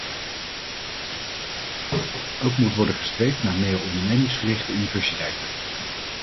Ook moet worden gestreefd naar meer ondernemingsgerichte universiteiten.